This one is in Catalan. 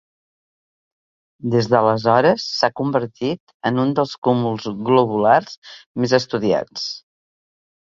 Des d'aleshores s'ha convertit en un dels cúmuls globulars més estudiats.